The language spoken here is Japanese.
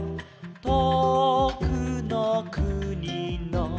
「とおくのくにの」